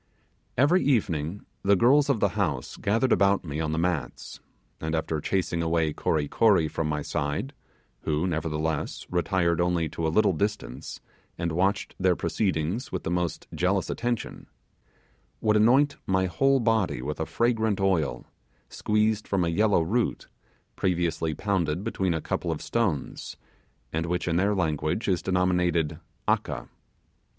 Every evening the girls of the house gathered about me on the mats, and after chasing away Kory Kory from my side who nevertheless, retired only to a little distance and watched their proceedings with the most jealous attention would anoint my whole body with a fragrant oil, squeezed from a yellow root, previously pounded between a couple of stones, and which in their language is denominated 'aka'.